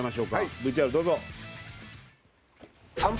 ＶＴＲ、どうぞ。